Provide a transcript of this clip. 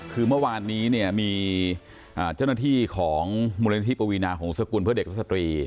คือเมื่อวานนี้มีเจ้าหน้าที่ของมรนทิปวีนาของรุศกุลเพื่อเด็กศาสตรี